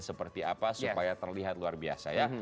seperti apa supaya terlihat luar biasa ya